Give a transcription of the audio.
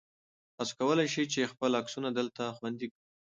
تاسو کولای شئ چې خپل عکسونه دلته خوندي کړئ.